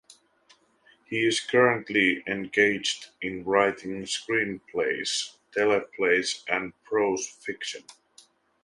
He is currently engaged in writing screenplays, teleplays, and prose fiction.